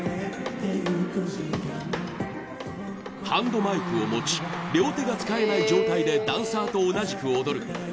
ハンドマイクを持ち両手が使えない状態でダンサーと同じく踊る。